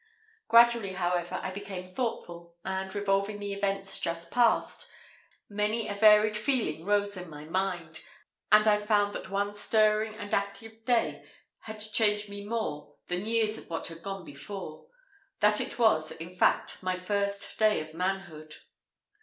Gradually, however, I became thoughtful; and, revolving the events just past, many a varied feeling rose in my mind; and I found that one stirring and active day had changed me more than years of what had gone before that it was, in fact, my first day of manhood.